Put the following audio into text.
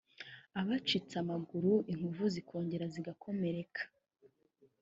abacitse amaguru inkovu zikongera zigakomereka